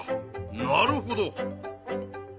なるほど。